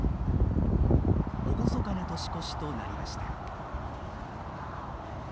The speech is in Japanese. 厳かな年越しとなりました。